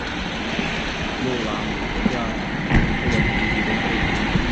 穆拉姆维亚位于布隆迪中部的一座城市。